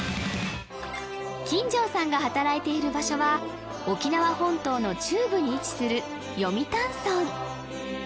金城さんが働いている場所は沖縄本島の中部に位置する読谷村